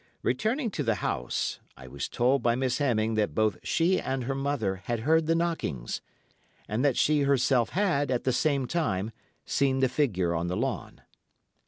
Returning to the house, I was told by Miss Hemming that both she and her mother had heard the knockings, and that she herself had, at the same time, seen the figure on the lawn.